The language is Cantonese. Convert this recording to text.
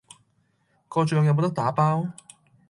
個醬有冇得打包？